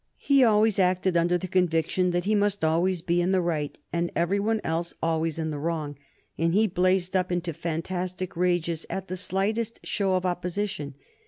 He always acted under the conviction that he must always be in the right and every one else always in the wrong, and he blazed up into fantastic rages at the slightest show of opposition.